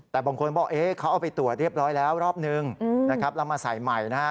แต่บางคนบอกเขาเอาไปตรวจเรียบร้อยแล้วรอบนึงเรามาใส่ใหม่